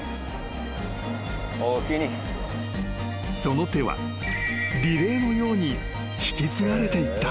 ［その手はリレーのように引き継がれていった］